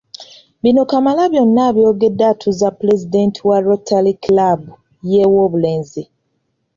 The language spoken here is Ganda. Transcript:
Bino Kamalabyonna abyogedde atuuza Pulezidenti wa Rotary Club y’e Woobulenzi.